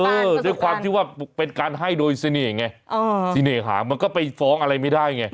ไม่ได้ความที่ว่าเป็นการให้โดยเสน่ห์แงสเนตขาวมันก็ไปฟ้องอะไรไม่ได้อย่างนี้